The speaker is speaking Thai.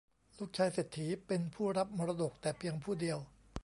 ลูกชายเศรษฐีเป็นผู้รับมรดกแต่เพียงผู้เดียว